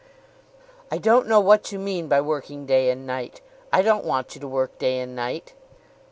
"I don't know what you mean by working day and night. I don't want you to work day and night."